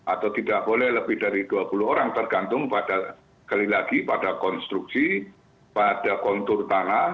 atau tidak boleh lebih dari dua puluh orang tergantung pada kali lagi pada konstruksi pada kontur tanah